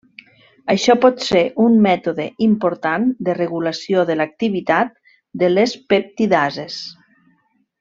Això pot ser un mètode important de regulació de l'activitat de les peptidases.